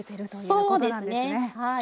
そうですねはい。